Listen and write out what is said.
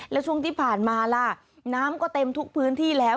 แล้วช่วงที่ผ่านมาล่ะน้ำก็เต็มทุกพื้นที่แล้ว